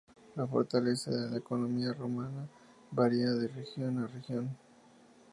La fortaleza de la economía rumana varía de región a región.